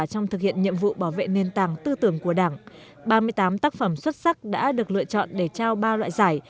trong thực hiện nhiệm vụ bảo vệ nền tảng tư tưởng của đảng ba mươi tám tác phẩm xuất sắc đã được lựa chọn để trao ba loại giải